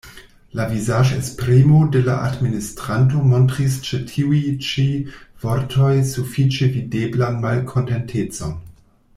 La vizaĝesprimo de la administranto montris ĉe tiuj ĉi vortoj sufiĉe videblan malkontentecon.